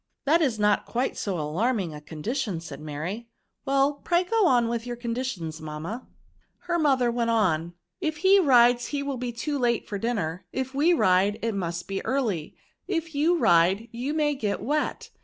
^^That is not quite so alarming a con dition," said Mary ;well, pray go on with your conditions, mamma." u 3 Her mother went on. If he ride, he will be too late for dinner. If we ride, it must be early. If you ride, you may get wet.